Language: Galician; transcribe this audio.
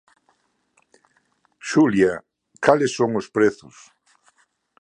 Xulia, cales son os prezos?